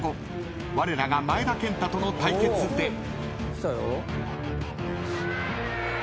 ［われらが前田健太との対決で］